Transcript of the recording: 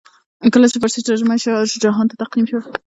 کله چې فارسي ترجمه یې شاه جهان ته تقدیم شوه.